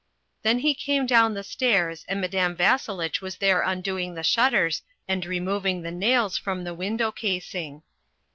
Then he came down the stairs and Madame Vasselitch was there undoing the shutters and removing the nails from the window casing.